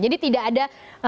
jadi tidak ada